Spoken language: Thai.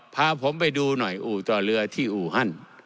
พาผมไปดูหน่อยอู่ต่อเรือที่อูฮัน